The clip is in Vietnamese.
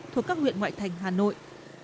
thuộc các nguyện ngoại thành hà nội